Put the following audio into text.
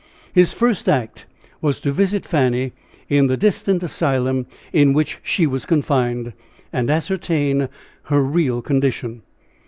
His first act was to visit Fanny in the distant asylum in which she was confined, and ascertain her real condition.